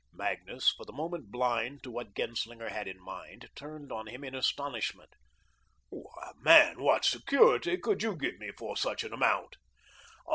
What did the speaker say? Magnus, for the moment blind to what Genslinger had in mind, turned on him in astonishment. "Why, man, what security could you give me for such an amount?"